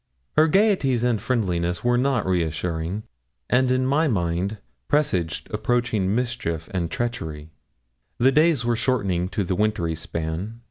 Her gaieties and friendliness were not reassuring, and in my mind presaged approaching mischief and treachery. The days were shortening to the wintry span.